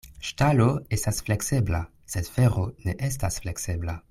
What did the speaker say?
Ŝtalo estas fleksebla, sed fero ne estas fleksebla.